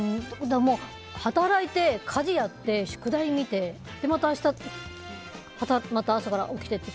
働いて、家事やって、宿題見てまた明日、朝から起きてって。